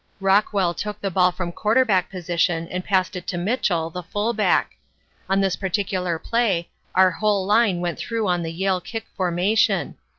Rockwell took the ball from quarterback position and passed it to Mitchell, the fullback. On this particular play our whole line went through on the Yale kick formation.